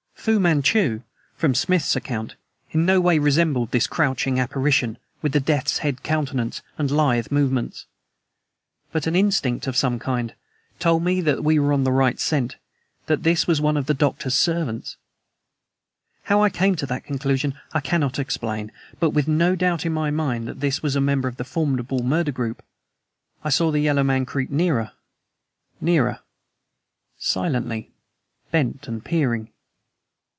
Fu Manchu, from Smith's account, in no way resembled this crouching apparition with the death's head countenance and lithe movements; but an instinct of some kind told me that we were on the right scent that this was one of the doctor's servants. How I came to that conclusion, I cannot explain; but with no doubt in my mind that this was a member of the formidable murder group, I saw the yellow man creep nearer, nearer, silently, bent and peering.